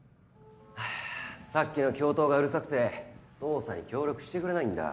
ハァさっきの教頭がうるさくて捜査に協力してくれないんだ。